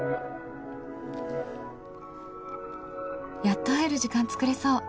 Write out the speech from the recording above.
「やっと会える時間作れそう！